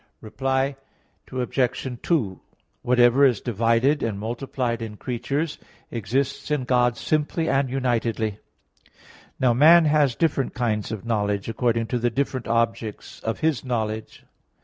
Reply Obj. 2: Whatever is divided and multiplied in creatures exists in God simply and unitedly (Q. 13, A. 4). Now man has different kinds of knowledge, according to the different objects of His knowledge.